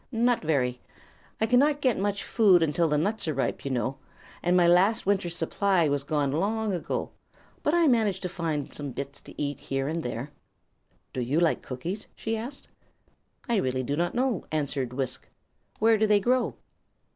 "Not very. I cannot get much food until the nuts are ripe, you know, and my last winter's supply was gone long ago. But I manage to find some bits to eat, here and there." "Do you like cookies?" she asked. "I really do not know," answered Wisk. "Where do they grow?"